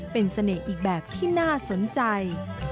เป็นเสน่ห์อีกแบบที่น่าสนใจ